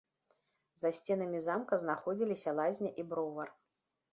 За сценамі замка знаходзіліся лазня і бровар.